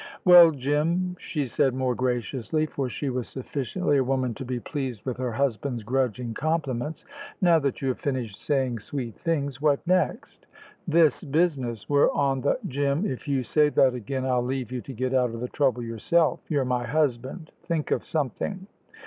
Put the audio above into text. "Well, Jim," she said more graciously, for she was sufficiently a woman to be pleased with her husband's grudging compliments. "Now that you have finished saying sweet things, what next?" "This business. We're on the " "Jim, if you say that again I'll leave you to get out of the trouble yourself. You're my husband. Think of something."